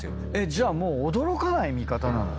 じゃあもう驚かない見方なの？